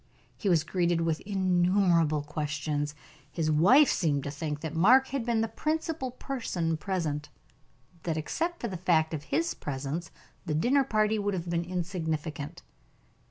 He was greeted with innumerable questions; his wife seemed to think that Mark had been the principal person present: that except for the fact of his presence, the dinner party would have been insignificant.